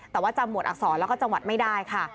แต่ว่าจำหมวดอักษรแล้วก็จังหวัดไม่ได้ค่ะ